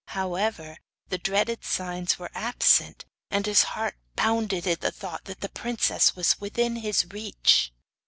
However, the dreaded signs were absent, and his heart bounded at the thought that the princess was within his reach.